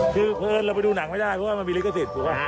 คือเพราะเอิญเราไปดูหนังไม่ได้เพราะว่ามันมีลิขสิทธิ์ถูกหรือเปล่า